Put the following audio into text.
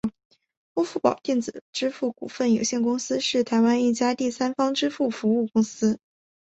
欧付宝电子支付股份有限公司是台湾一家第三方支付服务公司。